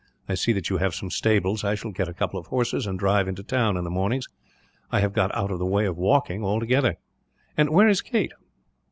I see that you have some stables. I shall get a couple of horses, and drive into town, in the mornings. I have got out of the way of walking, altogether. "And where is Kate?"